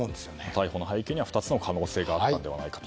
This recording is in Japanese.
逮捕の背景には２つの可能性があったのではないかと。